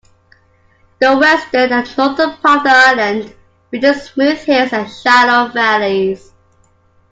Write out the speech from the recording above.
The western and northern part of the island feature smooth hills and shallow valleys.